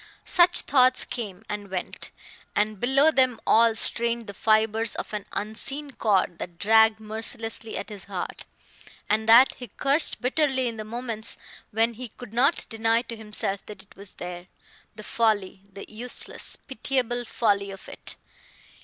Such thoughts came, and went; and below them all strained the fibers of an unseen cord that dragged mercilessly at his heart, and that he cursed bitterly in the moments when he could not deny to himself that it was there.... The folly, the useless, pitiable folly of it!